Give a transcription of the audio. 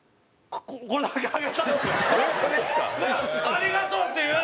「ありがとう」っていう！